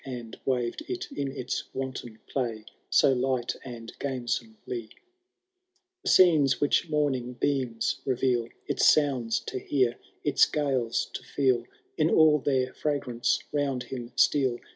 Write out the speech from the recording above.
And waved it in its wanton play So light and gamesomely. The scenes which morning beams reveal. Its sounds to hear, its gales to feel In all their fragrance round him steal.